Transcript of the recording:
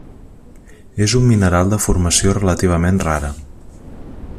És un mineral de formació relativament rara.